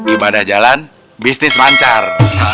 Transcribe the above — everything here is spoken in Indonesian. ibadah jalan bisnis lancar